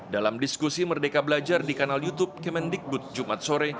dalam diskusi merdeka belajar di kanal youtube kemendikbud jumat sore